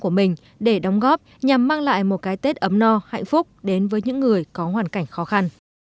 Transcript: của mình để đóng góp nhằm mang lại một cái tết ấm no hạnh phúc đến với những người có hoàn cảnh khó khăn